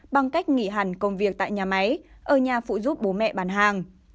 bằng cách nghỉ hẳn công việc tại nhà máy ở nhà phụ giúp bố mẹ bán hàng